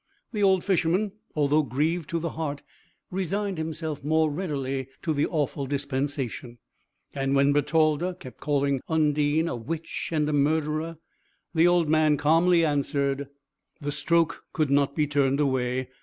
The old Fisherman, although grieved to the heart, resigned himself more readily to the awful dispensation; and when Bertalda kept calling Undine a witch and a murderer, the old man calmly answered: "The stroke could not be turned away.